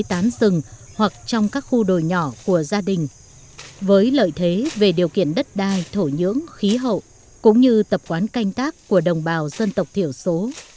cây sa nhân trồng dưới tán rừng hoặc trong các khu đồi nhỏ của gia đình với lợi thế về điều kiện đất đai thổ nhưỡng khí hậu cũng như tập quán canh tác của đồng bào dân tộc thiểu số